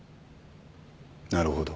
なるほど。